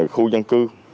khu dân cư